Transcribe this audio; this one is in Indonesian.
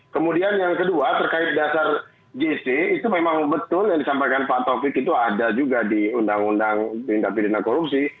kemudian yang kedua terkait dasar jc itu memang betul yang disampaikan pak taufik itu ada juga di undang undang pindah pindah korupsi